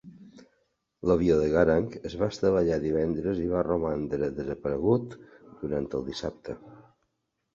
L'avió de garang es va estavellar divendres i va romandre "desaparegut" durant el dissabte.